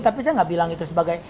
tapi saya nggak bilang itu sebagai